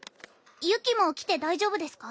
ユキも来て大丈夫ですか？